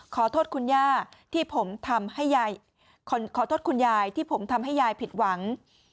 ขอโทษคุณยายที่ผมทำให้ยายผิดหวัง